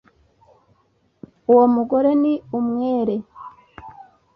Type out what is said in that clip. Uwo mugore ni umwere